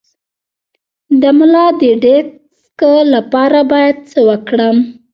د ملا د ډیسک لپاره باید څه وکړم؟